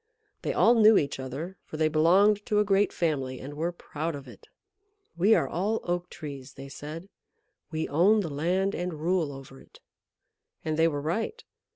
They all knew each other, for they belonged to a great family, and were proud of it. "We are all Oak Trees," they said. "We own the land, and rule over it." And they were right.